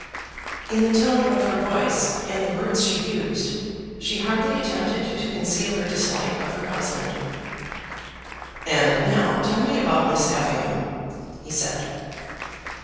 In the tone of her voice, and the words she used, she hardly attempted to conceal her dislike of her husband. "And now tell me about Miss Effingham," he said.